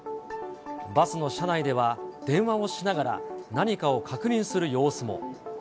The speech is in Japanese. バスの車内では電話をしながら何かを確認する様子も。